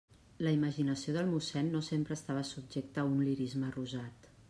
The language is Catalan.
La imaginació del mossén no sempre estava subjecta a un lirisme rosat.